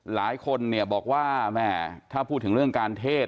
หลายคนบอกว่าถ้าพูดถึงเรื่องการเทศ